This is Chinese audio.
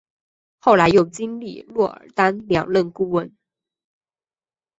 后来又历经若尔丹两任顾问。